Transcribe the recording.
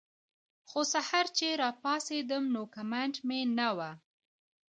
خو سحر چې راپاسېدم نو کمنټ مې نۀ وۀ